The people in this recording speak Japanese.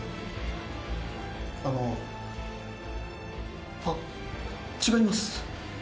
あの。はっ、違います。